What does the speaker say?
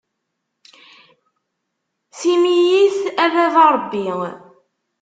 Tim-iyi-t a baba Ṛebbi.